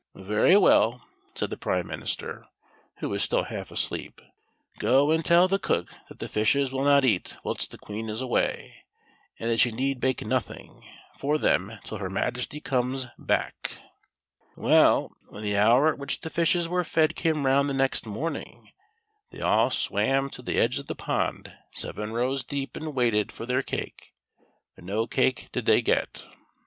"Very well," said the prime minister, who was still half asleep ;" go and tell the cook that the fishes will not eat whilst the Queen is away, and that she need bake nothing for them till her Majesty comes back." Well, when the hour at which the fishes were fed came round the next morning, they all swam to the c 34 THE SILVER FISH. edge of the pond seven rows deep, and waited for their cake, but no cake did they get.